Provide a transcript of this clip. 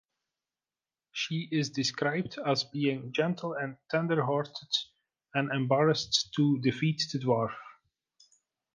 She is described as being gentle and tender-hearted, and embarrassed to defeat the dwarf.